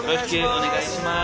お願いします